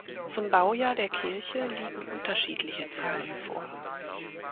Zum Baujahr der Kirche liegen unterschiedliche Zahlen vor.